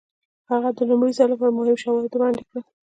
هغه د لومړي ځل لپاره مهم شواهد وړاندې کړل.